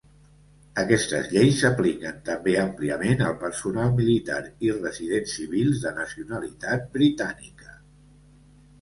Aquestes lleis s'apliquen també àmpliament al personal militar i residents civils de nacionalitat britànica.